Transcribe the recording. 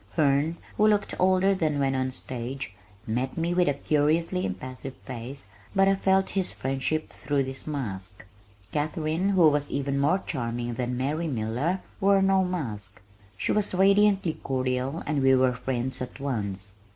Herne, who looked older than when on the stage, met me with a curiously impassive face but I felt his friendship through this mask. Katharine who was even more charming than "Mary Miller" wore no mask. She was radiantly cordial and we were friends at once.